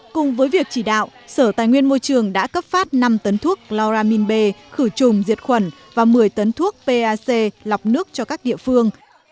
cùng với việc chỉ đạo sở tài nguyên môi trường đã cấp phát năm tấn thuốc chloramin b khử trùng diệt khuẩn và một mươi tấn thuốc pac lọc nước cho các địa phương